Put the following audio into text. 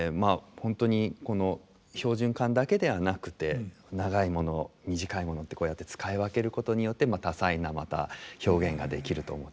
本当にこの標準管だけではなくて長いもの短いものってこうやって使い分けることによって多彩なまた表現ができると思ってます。